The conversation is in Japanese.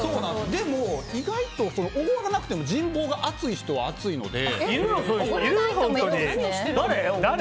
でも意外とおごらなくても人望が厚い人は厚いので。